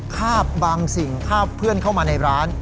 คาบบางสิ่งคาบเพื่อนเข้ามาในร้าน